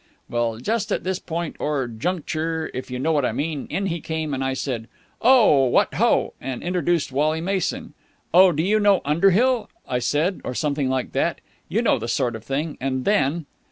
Well, just at this point or juncture, if you know what I mean, in he came, and I said' Oh, what ho!' and introduced Wally Mason. 'Oh, do you know Underhill?' I said, or something like that. You know the sort of thing. And then...."